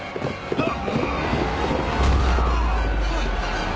あっ！